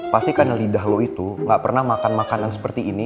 pasti karena lidah lo itu gak pernah makan makanan seperti ini